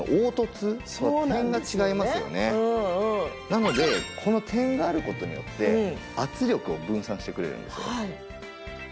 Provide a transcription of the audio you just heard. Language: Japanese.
なのでこの点がある事によって圧力を分散してくれるんですよ。